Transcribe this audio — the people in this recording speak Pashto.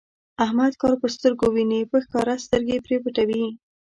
احمد کار په سترګو ویني، په ښکاره سترګې پرې پټوي.